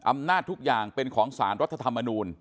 ทุกอย่างเป็นของสารรัฐธรรมนูล